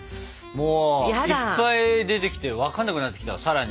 もういっぱい出てきて分かんなくなってきたさらに。